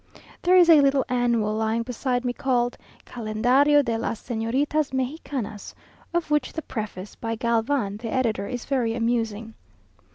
There is a little annual lying beside me called "Calendario de las Señoritas Mejicanas," of which the preface, by Galvan, the editor, is very amusing.